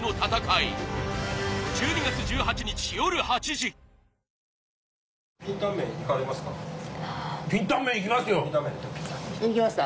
いきますか？